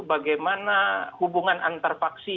bagaimana hubungan antar paksi